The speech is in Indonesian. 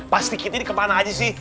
pas dikit ini ke mana aja sih